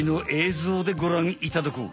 ぞうでごらんいただこう。